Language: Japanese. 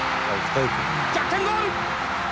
逆転ゴール！